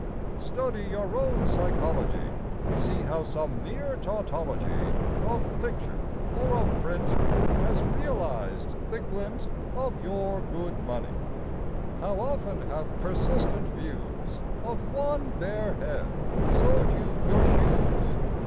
Study your own psychology! See how some mere tautology Of picture, or of print, Has realized the glint Of your good money. How often have persistent views Of one bare head sold you your shoes!